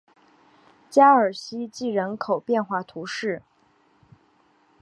加尔希济人口变化图示